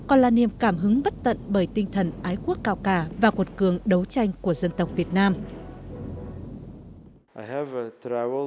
ông jacarondo ucategui là đại sứ đặc mệnh toàn quyền nước cộng hòa bolivia venezuela tại việt nam và đã có gần một mươi bốn năm sinh sống làm việc tại việt nam với rất nhiều trải nghiệm